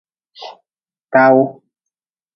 Tawu.